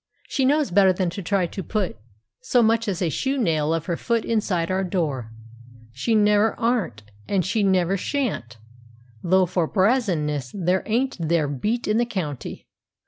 She knows better than to try to put so much as a shoenail of her foot inside our door. She never aren't and she never shan't. Though for brazenness there ain't their beat in the county.